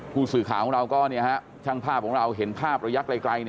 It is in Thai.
ผู้สื่อข่าวของเราก็ช่างภาพของเราเห็นภาพระยะไกล